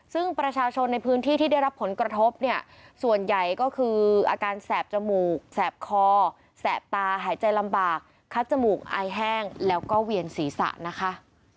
ซึ่งประชาชนในพื้นที่ที่ได้รับผลกระทบเนี่ยส่วนใหญ่ก็คืออาการแสบจมูกแสบคอแสบตาหายใจลำบากคัดจมูกอายแห้งแล้วก็เวียนศีรษะนะคะ